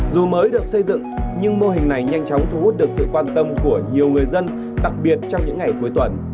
dù mới được xây dựng nhưng mô hình này nhanh chóng thu hút được sự quan tâm của nhiều người dân đặc biệt trong những ngày cuối tuần